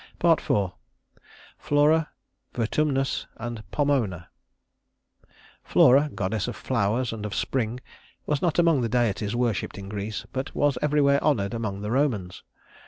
IV. Flora, Vertumnus, and Pomona Flora, goddess of flowers and of spring, was not among the deities worshiped in Greece, but was everywhere honored among the Romans.